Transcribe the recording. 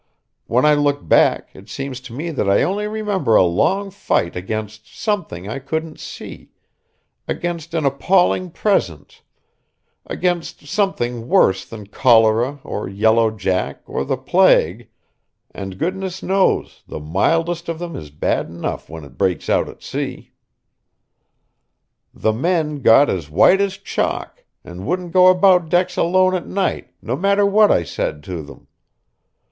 When I look back it seems to me that I only remember a long fight against something I couldn't see, against an appalling presence, against something worse than cholera or Yellow Jack or the plague and goodness knows the mildest of them is bad enough when it breaks out at sea. The men got as white as chalk, and wouldn't go about decks alone at night, no matter what I said to them.